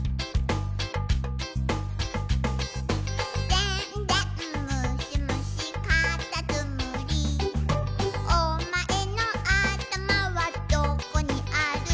「でんでんむしむしかたつむり」「おまえのあたまはどこにある」